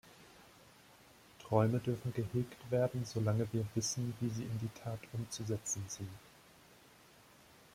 Träume dürfen gehegt werden, solang wir wissen, wie sie in die Tat umzusetzen sind.